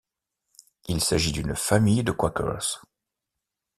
Il s'agit d'une famille de quakers.